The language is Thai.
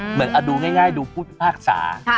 เหมือนอ่ะดูง่ายดูพูดภาคศา